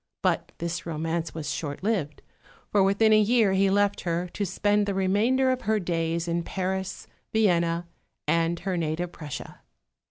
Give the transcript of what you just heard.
But this romance was short lived, for within a year he left her, to spend the remainder of her days in Paris, Vienna, and her native Prussia.